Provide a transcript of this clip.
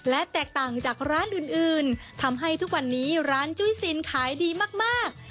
และแตกต่างจากร้านอื่นทำให้ทุกวันนี้ร้านจุ้ยซินขายดีมาก